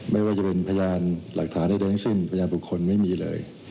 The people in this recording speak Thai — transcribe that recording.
ไม่ว่าจะเป็นพยานหลักฐานใดทั้งสิ้นพยานบุคคลไม่มีเลย